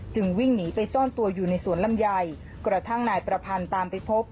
วิ่งหนีไปซ่อนตัวอยู่ในสวนลำไยกระทั่งนายประพันธ์ตามไปพบ